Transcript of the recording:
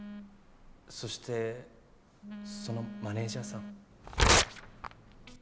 そしてそのマネジャーさん。